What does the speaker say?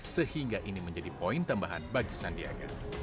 sehingga ini menjadi poin tambahan bagi sandiaga